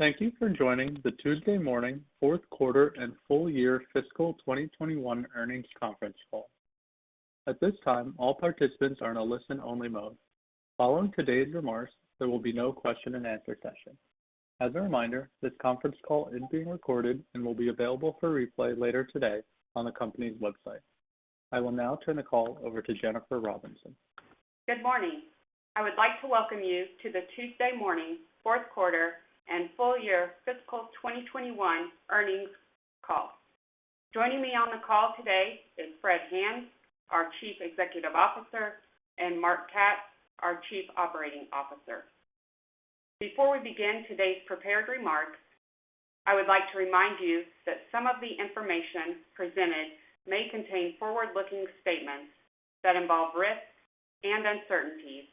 Thank you for joining the Tuesday Morning fourth quarter and full year fiscal 2021 earnings conference call. At this time, all participants are in a listen-only mode. Following today's remarks, there will be no question-and-answer session. As a reminder, this conference call is being recorded and will be available for replay later today on the company's website. I will now turn the call over to Jennifer Robinson. Good morning. I would like to welcome you to the Tuesday Morning fourth quarter and full year fiscal 2021 earnings call. Joining me on the call today is Fred Hand, our Chief Executive Officer, and Marc Katz, our Chief Operating Officer. Before we begin today's prepared remarks, I would like to remind you that some of the information presented may contain forward-looking statements that involve risks and uncertainties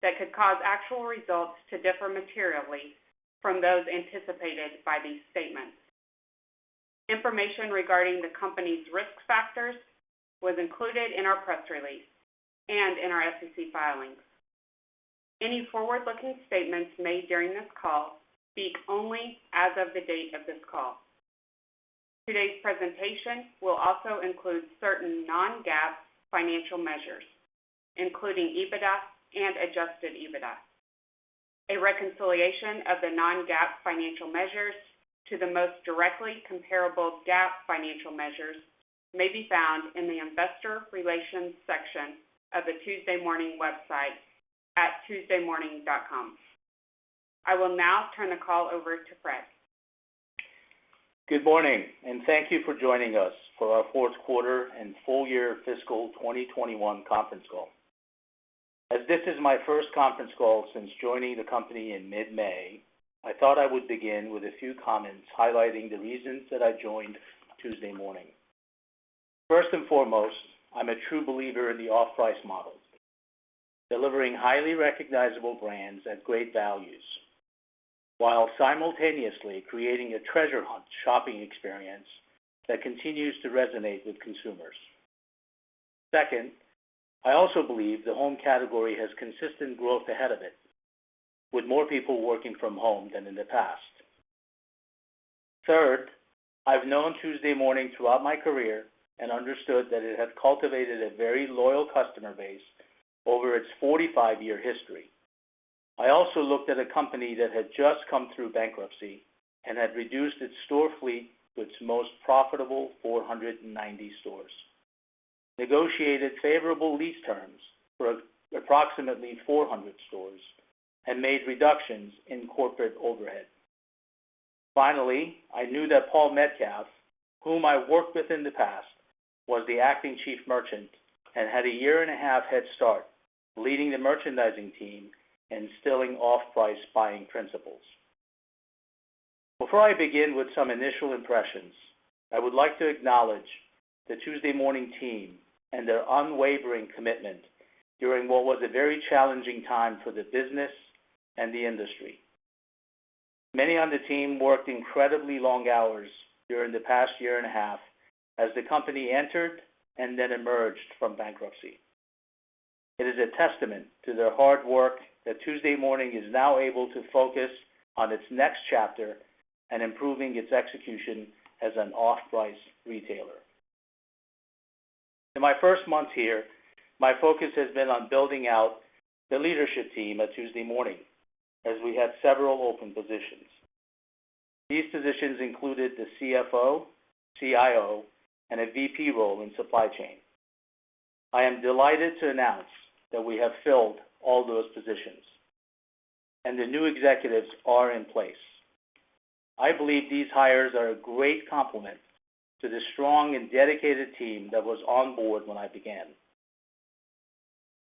that could cause actual results to differ materially from those anticipated by these statements. Information regarding the company's risk factors was included in our press release and in our SEC filings. Any forward-looking statements made during this call speak only as of the date of this call. Today's presentation will also include certain non-GAAP financial measures, including EBITDA and Adjusted EBITDA. A reconciliation of the non-GAAP financial measures to the most directly comparable GAAP financial measures may be found in the Investor Relations section of the Tuesday Morning website at tuesdaymorning.com. I will now turn the call over to Fred. Good morning. Thank you for joining us for our fourth quarter and full year fiscal 2021 conference call. As this is my first conference call since joining the company in mid-May, I thought I would begin with a few comments highlighting the reasons that I joined Tuesday Morning. First and foremost, I'm a true believer in the off-price model, delivering highly recognizable brands at great values while simultaneously creating a treasure hunt shopping experience that continues to resonate with consumers. Second, I also believe the home category has consistent growth ahead of it, with more people working from home than in the past. Third, I've known Tuesday Morning throughout my career and understood that it had cultivated a very loyal customer base over its 45-year history. I also looked at a company that had just come through bankruptcy and had reduced its store fleet to its most profitable 490 stores, negotiated favorable lease terms for approximately 400 stores, and made reductions in corporate overhead. Finally, I knew that Paul Metcalf, whom I worked with in the past, was the acting chief merchant and had a year and a half head start leading the merchandising team and instilling off-price buying principles. Before I begin with some initial impressions, I would like to acknowledge the Tuesday Morning team and their unwavering commitment during what was a very challenging time for the business and the industry. Many on the team worked incredibly long hours during the past year and a half as the company entered and then emerged from bankruptcy. It is a testament to their hard work that Tuesday Morning is now able to focus on its next chapter and improving its execution as an off-price retailer. In my first months here, my focus has been on building out the leadership team at Tuesday Morning as we had several open positions. These positions included the CFO, CIO, and a VP role in supply chain. I am delighted to announce that we have filled all those positions, and the new executives are in place. I believe these hires are a great complement to the strong and dedicated team that was on board when I began.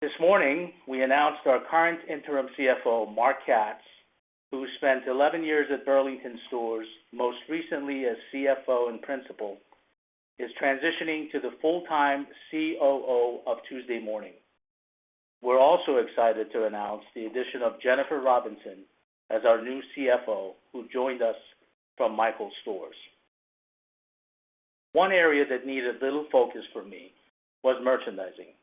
This morning, we announced our current interim CFO, Marc Katz, who spent 11 years at Burlington Stores, most recently as CFO and principal, is transitioning to the full-time COO of Tuesday Morning. We're also excited to announce the addition of Jennifer Robinson as our new CFO, who joined us from Michaels Stores. One area that needed a little focus from me was merchandising.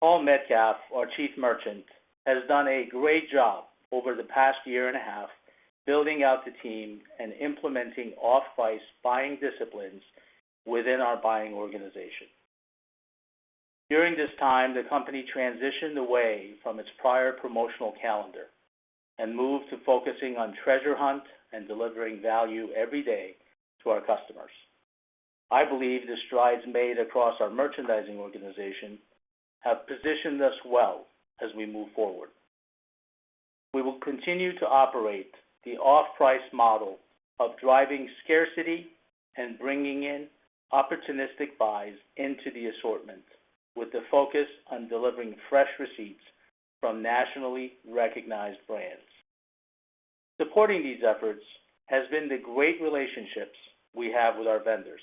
Paul Metcalf, our chief merchant, has done a great job over the past year and a half, building out the team and implementing off-price buying disciplines within our buying organization. During this time, the company transitioned away from its prior promotional calendar and moved to focusing on treasure hunt and delivering value every day to our customers. I believe the strides made across our merchandising organization have positioned us well as we move forward. We will continue to operate the off-price model of driving scarcity and bringing in opportunistic buys into the assortment with the focus on delivering fresh receipts from nationally recognized brands. Supporting these efforts has been the great relationships we have with our vendors,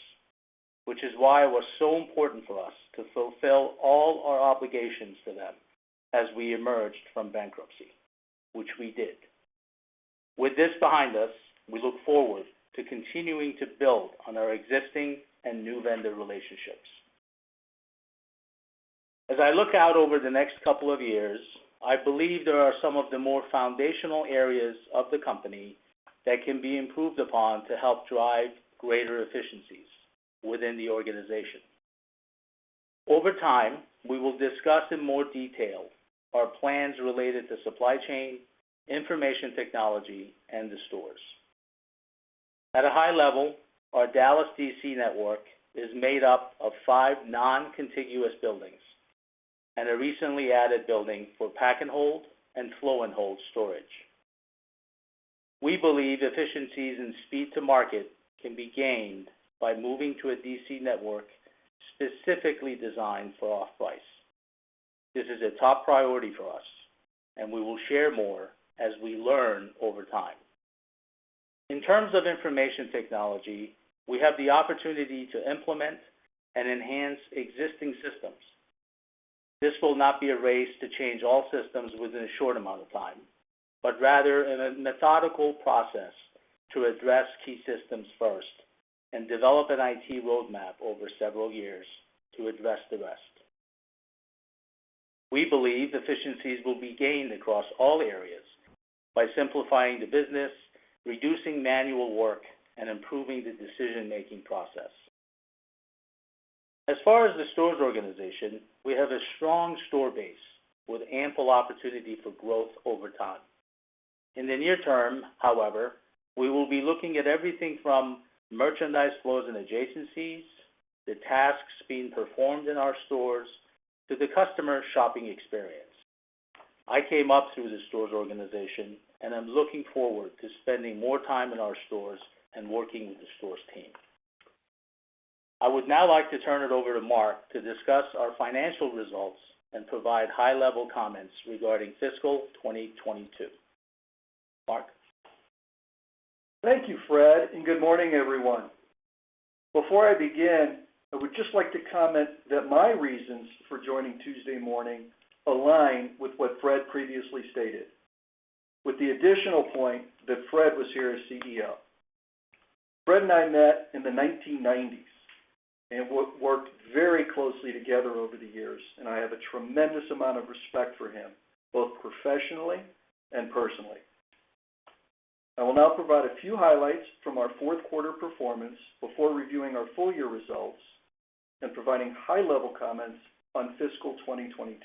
which is why it was so important for us to fulfill all our obligations to them as we emerged from bankruptcy, which we did. With this behind us, we look forward to continuing to build on our existing and new vendor relationships. As I look out over the next couple of years, I believe there are some of the more foundational areas of the company that can be improved upon to help drive greater efficiencies within the organization. Over time, we will discuss in more detail our plans related to supply chain, information technology, and the stores. At a high level, our Dallas DC network is made up of five non-contiguous buildings and a recently added building for pack-and-hold and flow-and-hold storage. We believe efficiencies and speed to market can be gained by moving to a DC network specifically designed for off-price. This is a top priority for us, and we will share more as we learn over time. In terms of information technology, we have the opportunity to implement and enhance existing systems. This will not be a race to change all systems within a short amount of time, but rather in a methodical process to address key systems first and develop an IT roadmap over several years to address the rest. We believe efficiencies will be gained across all areas by simplifying the business, reducing manual work, and improving the decision-making process. As far as the stores organization, we have a strong store base with ample opportunity for growth over time. In the near term, however, we will be looking at everything from merchandise flows and adjacencies, the tasks being performed in our stores, to the customer shopping experience. I came up through the stores organization, and I'm looking forward to spending more time in our stores and working with the stores team. I would now like to turn it over to Marc to discuss our financial results and provide high-level comments regarding fiscal 2022. Marc? Thank you, Fred. Good morning, everyone. Before I begin, I would just like to comment that my reasons for joining Tuesday Morning align with what Fred previously stated, with the additional point that Fred was here as CEO. Fred and I met in the 1990s and worked very closely together over the years, and I have a tremendous amount of respect for him, both professionally and personally. I will now provide a few highlights from our fourth quarter performance before reviewing our full-year results and providing high-level comments on fiscal 2022.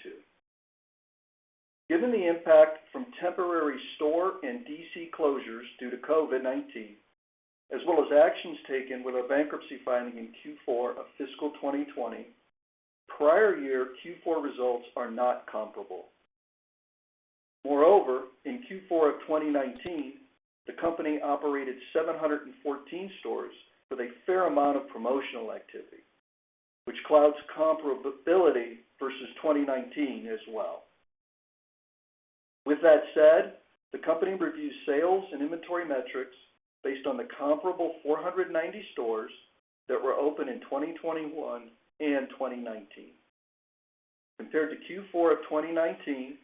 Given the impact from temporary store and DC closures due to COVID-19, as well as actions taken with our bankruptcy filing in Q4 of fiscal 2020, prior year Q4 results are not comparable. Moreover, in Q4 of 2019, the company operated 714 stores with a fair amount of promotional activity, which clouds comparability versus 2019 as well. With that said, the company reviews sales and inventory metrics based on the comparable 490 stores that were open in 2021 and 2019. Compared to Q4 of 2019,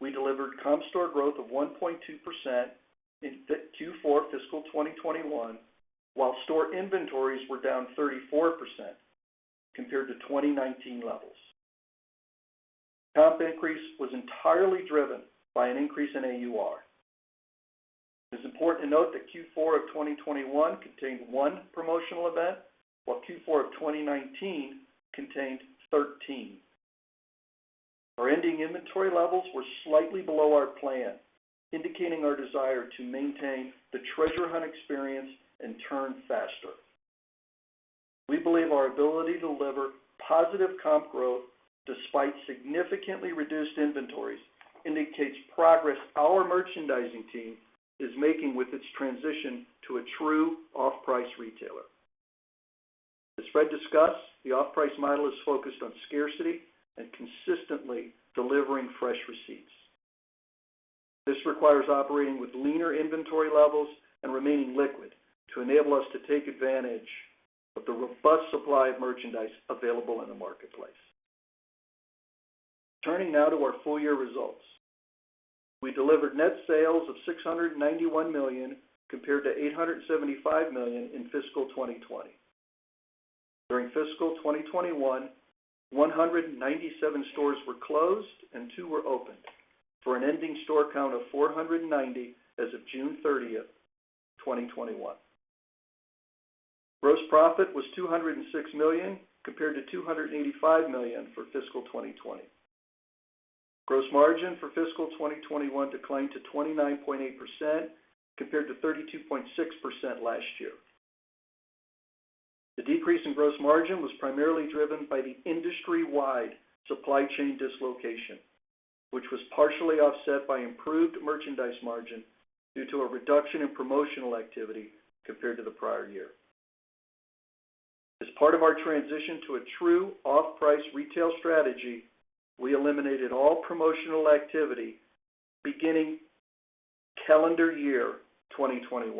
we delivered comp store growth of 1.2% in Q4 fiscal 2021, while store inventories were down 34% compared to 2019 levels. Comp increase was entirely driven by an increase in AUR. It's important to note that Q4 of 2021 contained one promotional event, while Q4 of 2019 contained 13. Our ending inventory levels were slightly below our plan, indicating our desire to maintain the treasure hunt experience and turn faster. We believe our ability to deliver positive comp growth despite significantly reduced inventories indicates progress our merchandising team is making with its transition to a true off-price retailer. As Fred discussed, the off-price model is focused on scarcity and consistently delivering fresh receipts. This requires operating with leaner inventory levels and remaining liquid to enable us to take advantage of the robust supply of merchandise available in the marketplace. Turning now to our full-year results. We delivered net sales of $691 million, compared to $875 million in fiscal 2020. During fiscal 2021, 197 stores were closed and 2 were opened for an ending store count of 490 as of June 30th, 2021. Gross profit was $206 million, compared to $285 million for fiscal 2020. Gross margin for fiscal 2021 declined to 29.8%, compared to 32.6% last year. The decrease in gross margin was primarily driven by the industry-wide supply chain dislocation, which was partially offset by improved merchandise margin due to a reduction in promotional activity compared to the prior year. As part of our transition to a true off-price retail strategy, we eliminated all promotional activity beginning calendar year 2021.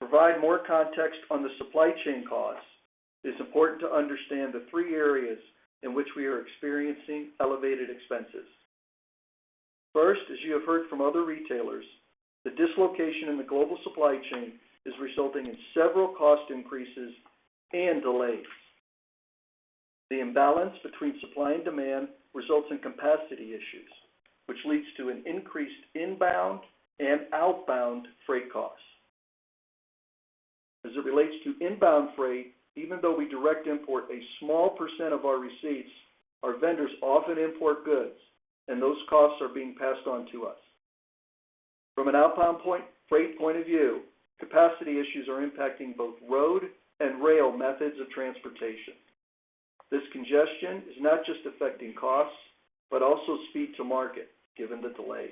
To provide more context on the supply chain costs, it's important to understand the three areas in which we are experiencing elevated expenses. First, as you have heard from other retailers, the dislocation in the global supply chain is resulting in several cost increases and delays. The imbalance between supply and demand results in capacity issues, which leads to an increased inbound and outbound freight cost. As it relates to inbound freight, even though we direct import a small % of our receipts, our vendors often import goods, and those costs are being passed on to us. From an outbound freight point of view, capacity issues are impacting both road and rail methods of transportation. This congestion is not just affecting costs, but also speed to market, given the delays.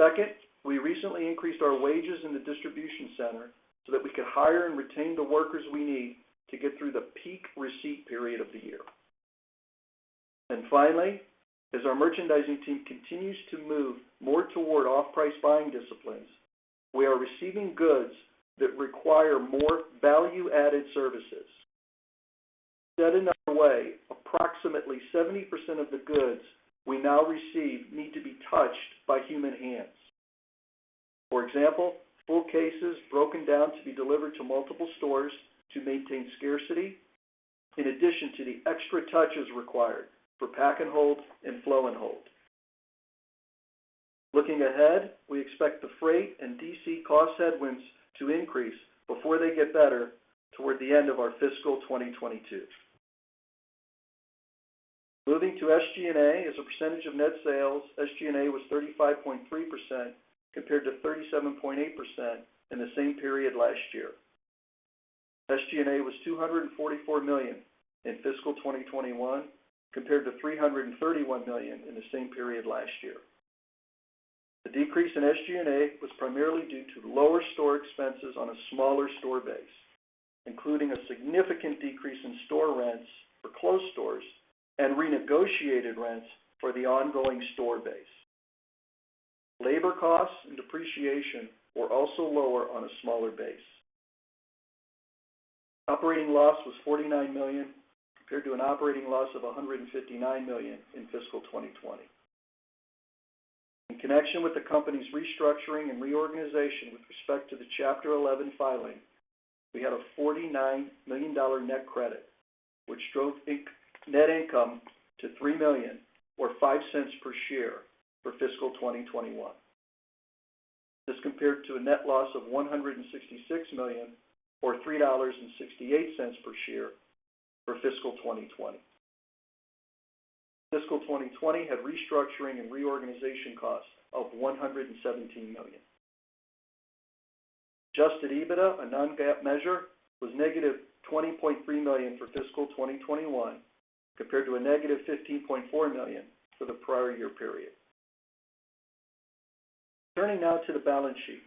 Second, we recently increased our wages in the distribution center so that we could hire and retain the workers we need to get through the peak receipt period of the year. Finally, as our merchandising team continues to move more toward off-price buying disciplines, we are receiving goods that require more value-added services. Said another way, approximately 70% of the goods we now receive need to be touched by human hands. For example, full cases broken down to be delivered to multiple stores to maintain scarcity, in addition to the extra touches required for pack-and-hold and flow-and-hold. Looking ahead, we expect the freight and DC cost headwinds to increase before they get better toward the end of our fiscal 2022. Moving to SG&A, as a percentage of net sales, SG&A was 35.3% compared to 37.8% in the same period last year. SG&A was $244 million in fiscal 2021, compared to $331 million in the same period last year. The decrease in SG&A was primarily due to lower store expenses on a smaller store base, including a significant decrease in store rents for closed stores and renegotiated rents for the ongoing store base. Labor costs and depreciation were also lower on a smaller base. Operating loss was $49 million, compared to an operating loss of $159 million in fiscal 2020. In connection with the company's restructuring and reorganization with respect to the Chapter 11 filing, we had a $49 million net credit, which drove net income to $3 million, or $0.05 per share for fiscal 2021. This compared to a net loss of $166 million or $3.68 per share for fiscal 2020. Fiscal 2020 had restructuring and reorganization costs of $117 million. Adjusted EBITDA, a non-GAAP measure, was negative $20.3 million for fiscal 2021, compared to a negative $15.4 million for the prior year period. Turning now to the balance sheet.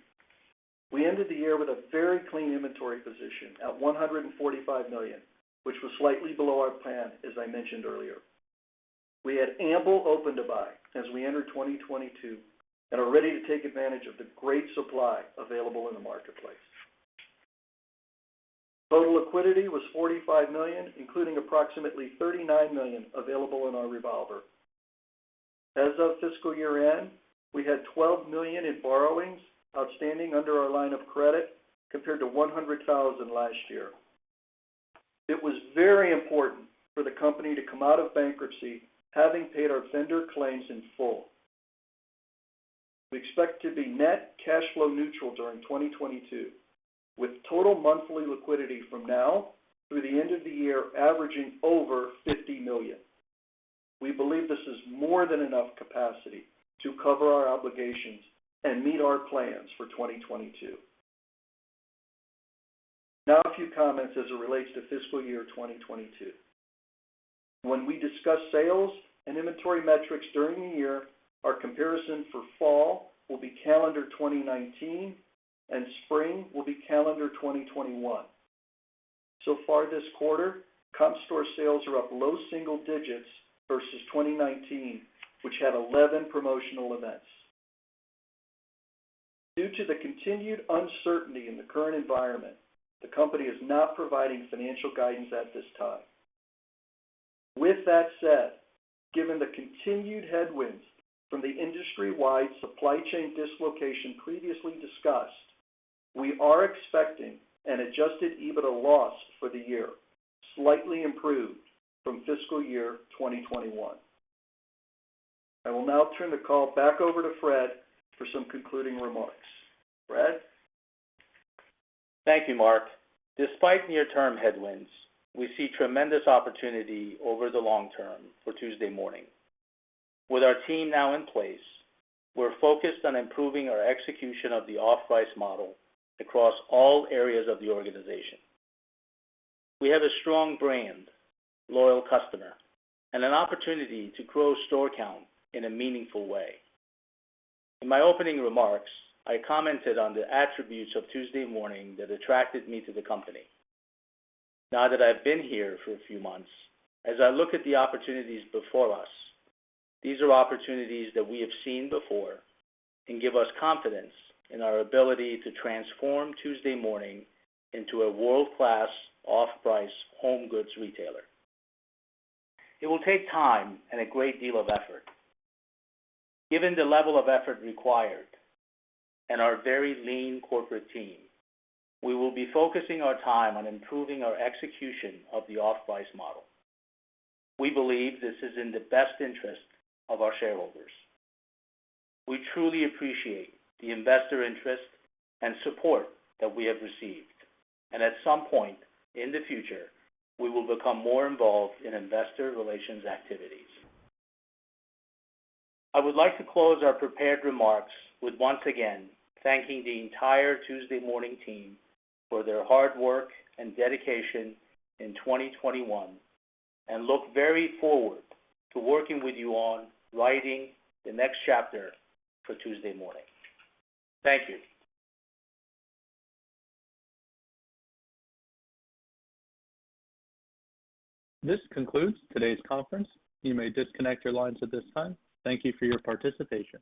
We ended the year with a very clean inventory position at $145 million, which was slightly below our plan, as I mentioned earlier. We had ample open-to-buy as we enter 2022 and are ready to take advantage of the great supply available in the marketplace. Total liquidity was $45 million, including approximately $39 million available in our revolver. As of fiscal year-end, we had $12 million in borrowings outstanding under our line of credit, compared to $100,000 last year. It was very important for the company to come out of bankruptcy having paid our vendor claims in full. We expect to be net cash flow neutral during 2022, with total monthly liquidity from now through the end of the year averaging over $50 million. We believe this is more than enough capacity to cover our obligations and meet our plans for 2022. Now a few comments as it relates to fiscal year 2022. When we discuss sales and inventory metrics during the year, our comparison for fall will be calendar 2019, and spring will be calendar 2021. Far this quarter, comp store sales are up low single digits versus 2019, which had 11 promotional events. Due to the continued uncertainty in the current environment, the company is not providing financial guidance at this time. With that said, given the continued headwinds from the industry-wide supply chain dislocation previously discussed, we are expecting an Adjusted EBITDA loss for the year, slightly improved from fiscal year 2021. I will now turn the call back over to Fred for some concluding remarks. Fred? Thank you, Marc. Despite near-term headwinds, we see tremendous opportunity over the long term for Tuesday Morning. With our team now in place, we're focused on improving our execution of the off-price model across all areas of the organization. We have a strong brand, loyal customer, and an opportunity to grow store count in a meaningful way. In my opening remarks, I commented on the attributes of Tuesday Morning that attracted me to the company. Now that I've been here for a few months, as I look at the opportunities before us, these are opportunities that we have seen before and give us confidence in our ability to transform Tuesday Morning into a world-class off-price home goods retailer. It will take time and a great deal of effort. Given the level of effort required and our very lean corporate team, we will be focusing our time on improving our execution of the off-price model. We believe this is in the best interest of our shareholders. We truly appreciate the investor interest and support that we have received, and at some point in the future, we will become more involved in investor relations activities. I would like to close our prepared remarks with once again thanking the entire Tuesday Morning team for their hard work and dedication in 2021, and look very forward to working with you on writing the next chapter for Tuesday Morning. Thank you. This concludes today's conference. You may disconnect your lines at this time. Thank you for your participation.